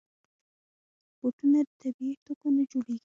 بوټونه د طبعي توکو نه جوړېږي.